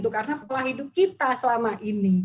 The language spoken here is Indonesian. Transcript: karena pepulau hidup kita selama ini